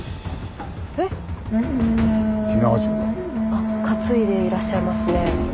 あ担いでいらっしゃいますね。